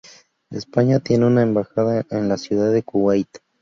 España tiene una embajada en la Ciudad de Kuwait.